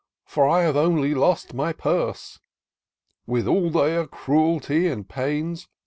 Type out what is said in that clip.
For I have only lost my piurse : With all their cruelty and pains.